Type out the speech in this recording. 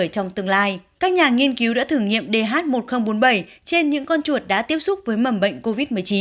các nhà nghiên cứu đã thử nghiệm dh một nghìn bốn mươi bảy trên những con chuột đã tiếp xúc với mầm bệnh covid một mươi chín